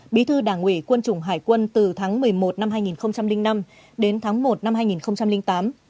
bí thư đảng ủy quân chủng hải quân từ tháng một mươi một năm hai nghìn năm đến tháng một năm hai nghìn tám